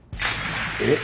えっ？